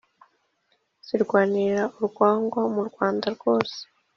Zirwanira urwagwa mu Rwanda rwose